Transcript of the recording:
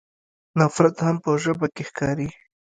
نفرت هم په ژبه کې ښکاري.